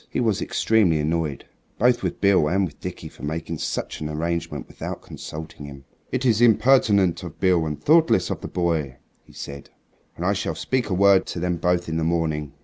He was extremely annoyed both with Beale and with Dickie for making such an arrangement without consulting him. "It is impertinent of Beale and thoughtless of the boy," he said; "and I shall speak a word to them both in the morning."